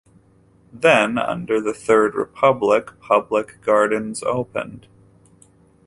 Then, under the Third Republic, public gardens opened.